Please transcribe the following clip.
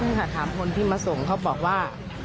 ตรงนักฐานค่ะถามคนที่มาส่งเขาบอกว่า